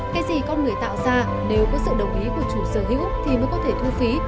cái gì con người tạo ra nếu có sự đồng ý của chủ sở hữu thì mới có thể thu phí